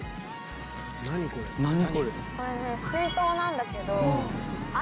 これね水筒なんだけど。